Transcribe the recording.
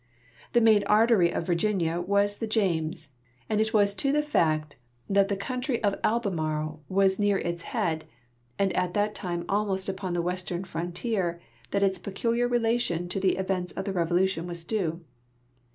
The main artery of Virginia was the James, and it was to the fact that the county of Albemarle was near its head and at that time almost upon the western frontier that its peculiar relation to the events of the Revolution was due.